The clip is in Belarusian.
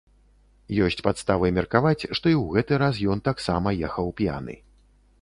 Ёсць падставы меркаваць, што і ў гэты раз ён таксама ехаў п'яны.